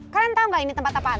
kalian tau gak ini tempat apaan